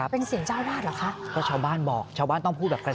เกิดเหตุการณ์จากกุฏติของเจ้าอาวาสดังแบบนี้ฮะ